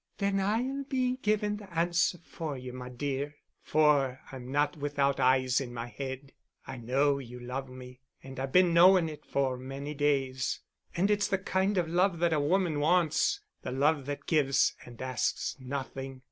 "Then I'll be giving the answer for you, my dear, for I'm not without eyes in my head. I know you love me and I've been knowing it for many days. And it's the kind of love that a woman wants, the love that gives and asks nothing."